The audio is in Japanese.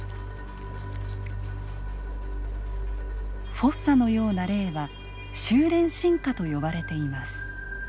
フォッサのような例は収れん進化と呼ばれています。